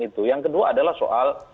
itu yang kedua adalah soal